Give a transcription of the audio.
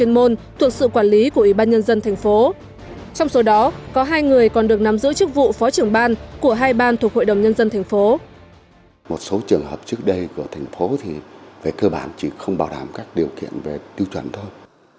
một số trường hợp trước đây của thành phố thì về cơ bản chỉ không bảo đảm các điều kiện về tiêu chuẩn thôi